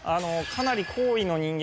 かなり高位の人間